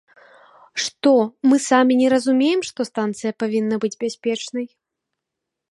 Што, мы самі не разумеем, што станцыя павінна быць бяспечнай?